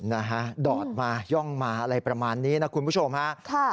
นะฮะดอดมาย่องมาอะไรประมาณนี้นะคุณผู้ชมฮะค่ะ